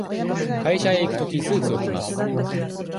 会社へ行くとき、スーツを着ます。